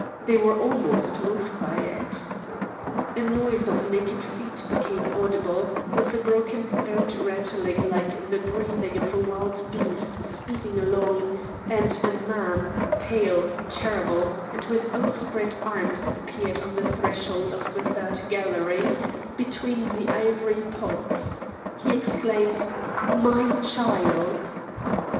They were almost moved by it. A noise of naked feet became audible, with a broken throat rattling like the breathing of a wild beast speeding along, and a man, pale, terrible, and with outspread arms appeared on the threshold of the third gallery, between the ivory pots; he exclaimed: "My child!"